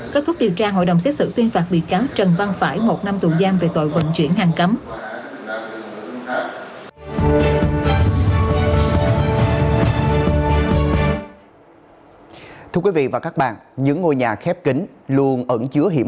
kết thúc điều tra hội đồng xét xử tuyên phạt bị cáo trần văn phải một năm tù giam về tội vận chuyển hàng cấm